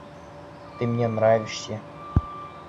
Ты мне нравишься!